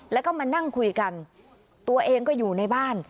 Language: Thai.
แล้วก็มานั่งคุยกันตัวเองก็อยู่ในบ้าน